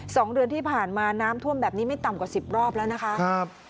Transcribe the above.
สองเดือนที่ผ่านมาน้ำท่วมแบบนี้ไม่ต่ำกว่าสิบรอบแล้วนะคะครับ